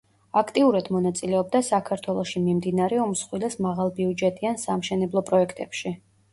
აქტიურად მონაწილეობდა საქართველოში მიმდინარე უმსხვილეს მაღალბიუჯეტიან სამშენებლო პროექტებში.